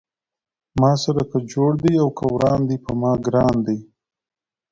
ما سره که جوړ دی او که وران دی پۀ ما ګران دی